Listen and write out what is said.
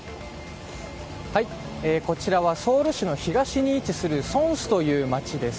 こちらはソウル市の東に位置するソンスという街です。